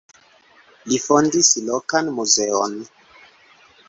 Li fondis lokan muzeon.